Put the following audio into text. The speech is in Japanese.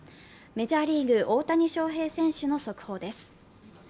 メジャーリーグ、大谷翔平選手の速報です。